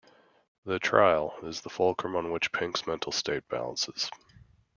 "The Trial" is the fulcrum on which Pink's mental state balances.